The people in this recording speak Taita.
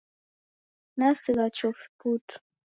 Nasigha chofi putu.